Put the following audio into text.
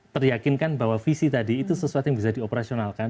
teriakinkan bahwa visi tadi itu sesuatu yang bisa di operasionalkan